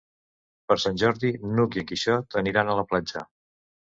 Per Sant Jordi n'Hug i en Quixot aniran a la platja.